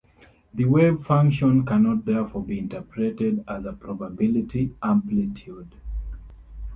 The wave function cannot therefore be interpreted as a probability amplitude.